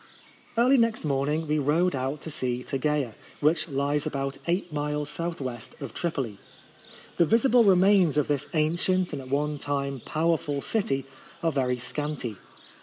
Early next morning we rode out to see Tegea, which lies about eight miles S. W. of Tripoli. The visible remains of this ancient and at one time powerful city are very scanty.